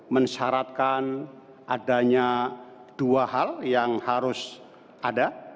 mensyaratkan adanya dua hal yang harus ada